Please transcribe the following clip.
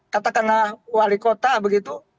katakanlah wali kota begitu